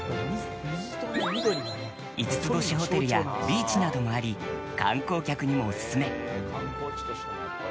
５つ星ホテルやビーチなどもあり観光客にもおすすめ。